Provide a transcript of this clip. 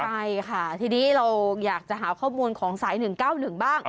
ใช่ค่ะทีนี้เราอยากจะหาข้อมูลของสาย๑๙๑บ้าง